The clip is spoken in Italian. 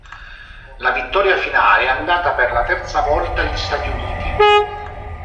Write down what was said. La vittoria finale è andata per la terza volta agli Stati Uniti.